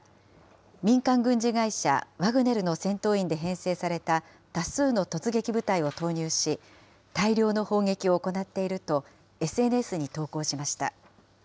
民間軍事会社、ワグネルの戦闘員で編成された多数の突撃部隊を投入し、大量の砲撃を行っていると、ＳＮＳに投稿しました。